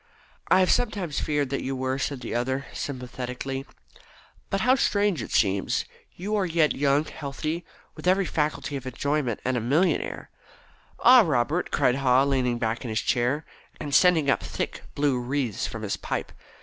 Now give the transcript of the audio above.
"I have sometimes feared that you were," said the other sympathetically. "But how strange it seems, you who are yet young, healthy, with every faculty for enjoyment, and a millionaire." "Ah, Robert," cried Haw, leaning back in his chair, and sending up thick blue wreaths from his pipe.